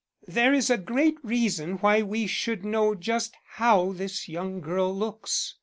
There is great reason why we should know just how this young girl looks.